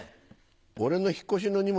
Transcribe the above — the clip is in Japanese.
俺の引っ越しの荷物